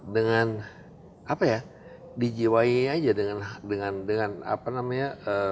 dengan apa ya dijiwai aja dengan apa namanya